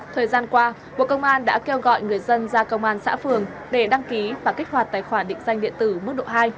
thời gian qua bộ công an đã kêu gọi người dân ra công an xã phường để đăng ký và kích hoạt tài khoản định danh điện tử mức độ hai